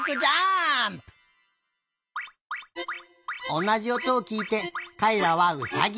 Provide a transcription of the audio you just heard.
おなじおとをきいてかいらはウサギ。